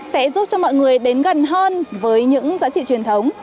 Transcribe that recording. sẽ giúp cho mọi người đến gần hơn với những giá trị truyền thống